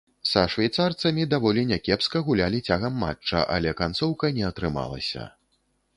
Са швейцарцамі даволі някепска гулялі цягам матча, але канцоўка не атрымалася.